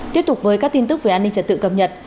tiếp tục với các tin tức về an ninh trật tự cập nhật